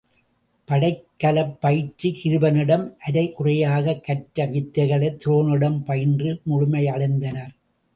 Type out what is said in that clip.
படைக்கலப்பயிற்சி கிருபனிடம் அரை குறையாகக் கற்ற வித்தைகளைத் துரோணனிடம் பயின்று முழுமை அடைந்தனர்.